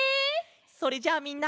それじゃあみんな。